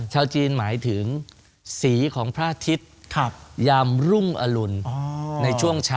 ชาวจีนหมายถึงสีของพระอาทิตย์ยามรุ่งอรุณในช่วงเช้า